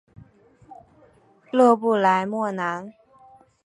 勒布莱莫兰。